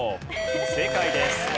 正解です。